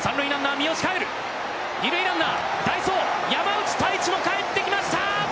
二塁ランナー代走山内太智も帰ってきました！